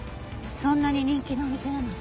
そんなに人気のお店なの？